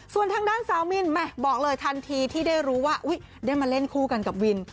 ส่วนทางด้านสาวมินบอกเลยทันทีที่ได้รู้ว่าได้มาเล่นคู่กันกับวิน